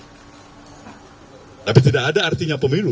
tapi tidak ada artinya pemilu